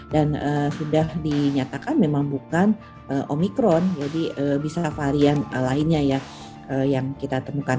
dan sudah dinyatakan memang bukan omicron jadi bisa varian lainnya yang kita temukan